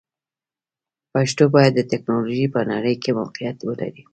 پښتو باید د ټکنالوژۍ په نړۍ کې موقعیت ولري.